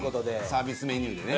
サービスメニューでね。